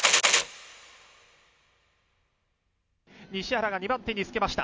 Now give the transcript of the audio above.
西原が２番手につけました。